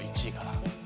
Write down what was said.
１位から。